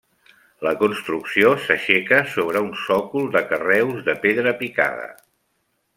La construcció s'aixeca sobre un sòcol de carreus de pedra picada.